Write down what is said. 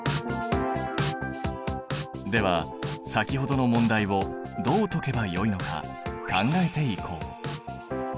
では先ほどの問題をどう解けばよいのか考えていこう。